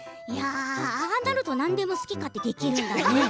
ああなると何でも好き勝手できるんだね。